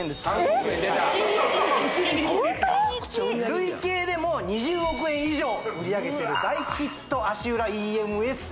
累計でも２０億円以上売り上げてる大ヒット足裏ＥＭＳ